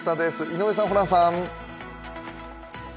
井上さん、ホランさん。